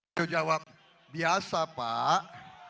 dia jawab biasa pak